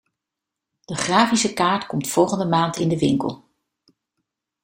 De grafische kaart komt volgende maand in de winkel.